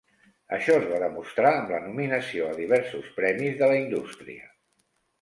Això es va demostrar amb la nominació a diversos premis de la indústria.